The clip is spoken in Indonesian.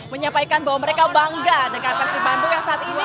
menyampaikan bahwa mereka bangga dengan persib bandung yang saat ini